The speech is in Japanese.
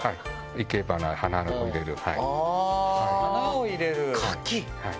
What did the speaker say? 生け花花を入れるはい。